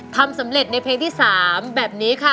ทำสำเร็จในเพลงที่๓แบบนี้ค่ะ